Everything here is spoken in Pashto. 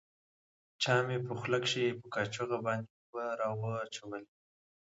چا مې په خوله کښې په کاشوغه باندې اوبه راواچولې.